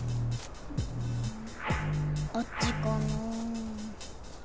あっちかなあ。